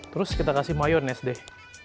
terus kita kasih mayones deh